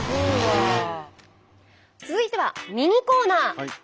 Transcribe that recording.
続いてはミニコーナー。